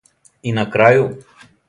И на крају?